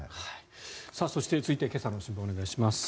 そして、続いては今朝の新聞、お願いします。